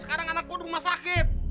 sekarang anak gua rumah sakit